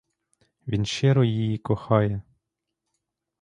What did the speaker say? Він щиро її кохає.